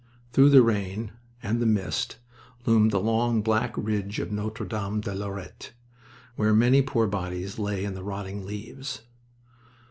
Through the rain and the mist loomed the long black ridge of Notre Dame de Lorette, where many poor bodies lay in the rotting leaves.